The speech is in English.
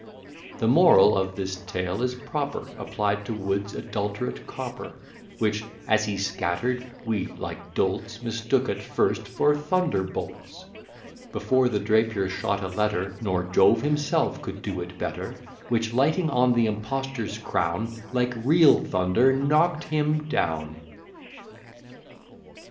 The moral of this tale is proper, Applied to Wood's adulterate copper: Which, as he scatter'd, we, like dolts, Mistook at first for thunderbolts, Before the Drapier shot a letter, (Nor Jove himself could do it better) Which lighting on the impostor's crown, Like real thunder knock'd him down.